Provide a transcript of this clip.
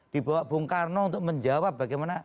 dibawa bung karno untuk menjawab bagaimana